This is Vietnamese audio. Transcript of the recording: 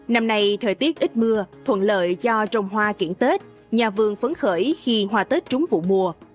năm nay thời tiết ít mưa thuận lợi cho trồng hoa kiển tết nhà vườn phấn khởi khi hoa tết trúng vụ mùa